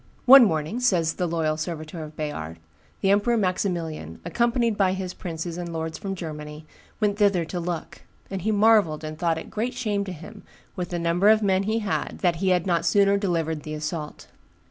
"One morning," says the Loyal Serviteur of Bayard, "the Emperor Maximilian, accompanied by his princes and lords from Germany, went thither to look; and he marvelled and thought it great shame to him, with the number of men he had, that he had not sooner delivered the assault.